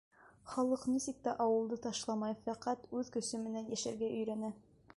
Халыҡ нисек тә ауылды ташламай, фәҡәт үҙ көсө менән йәшәргә өйрәнә.